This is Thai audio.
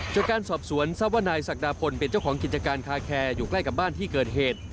จากการสอบสวนทรัพย์ว่านายศักดาพลเป็นเจ้าของกิจการคาแคร์อยู่ใกล้กับบ้านที่เกิดเหตุ